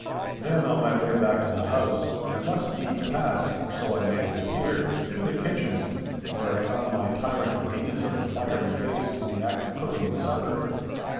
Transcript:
Then, on my way back to the house, I must needs pass—or so I made it appear—through the kitchens, where I found my tyrant Venus of the fiery face in the act of cooking the supper.